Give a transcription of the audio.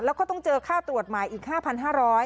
แล้วก็ต้องเจอค่าตรวจใหม่อีก๕๕๐๐บาท